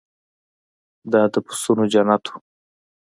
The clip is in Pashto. دا د پسونو جنت و.